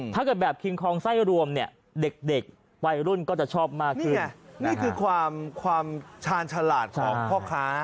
ถ้าเกิดแบบคิงคองไส้รวมเนี่ยเด็กวัยรุ่นก็จะชอบมากขึ้นนี่คือความความชาญฉลาดของพ่อค้า